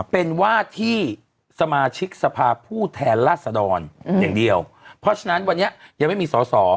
เป็นว่าที่สมาชิกสภาพผู้แทนราชดรอย่างเดียวเพราะฉะนั้นวันนี้ยังไม่มีสอสอ